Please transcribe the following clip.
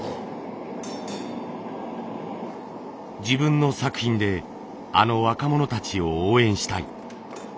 自分の作品であの若者たちを応援したい。